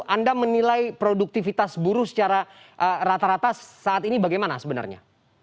anda menilai produktivitas buruh secara rata rata saat ini bagaimana sebenarnya